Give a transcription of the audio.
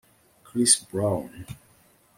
chris brown